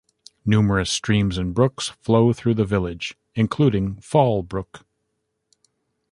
Numerous streams and brooks flow through the village, including Fall Brook.